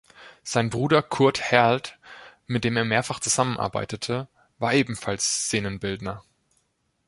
Sein Bruder Kurt Herlth, mit dem er mehrfach zusammenarbeitete, war ebenfalls Szenenbildner.